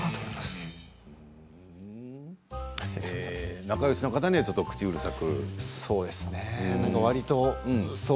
仲よしの方のはちょっと口うるさく？